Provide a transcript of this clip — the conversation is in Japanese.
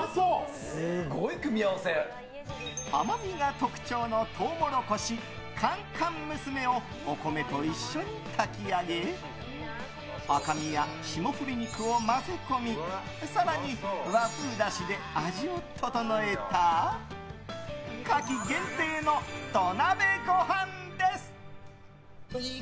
甘みが特徴のトウモロコシ甘々娘をお米と一緒に炊き上げ赤身や霜降り肉を混ぜ込み更に、和風だしで味を調えた夏季限定の土鍋ご飯です。